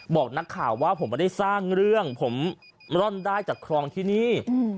บอกนักข่าวว่าผมไม่ได้สร้างเรื่องผมร่อนได้จากครองที่นี่